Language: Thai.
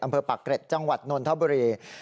อำเภอปรากเกร็ดจังหวัดนนทบรี